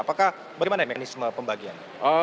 apakah bagaimana mekanisme pembagian